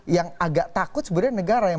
yang agak takut sebenarnya negara yang